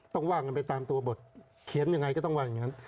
ว่ากันไปตามตัวบทเขียนยังไงก็ต้องว่าอย่างนั้น